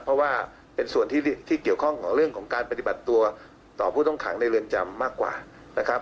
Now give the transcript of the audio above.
เพราะว่าเป็นส่วนที่เกี่ยวข้องกับเรื่องของการปฏิบัติตัวต่อผู้ต้องขังในเรือนจำมากกว่านะครับ